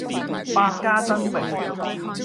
百家爭鳴